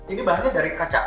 ini bahannya dari kaca